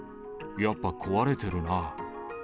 やっぱ壊れてるなぁ。